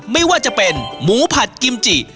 ไม่ว่าจะเป็นหมูผัดกิมจิ